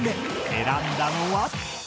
選んだのは。